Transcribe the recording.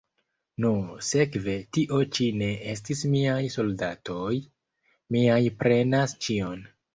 Nu, sekve tio ĉi ne estis miaj soldatoj; miaj prenas ĉion.